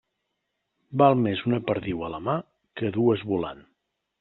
Val més una perdiu a la mà que dues volant.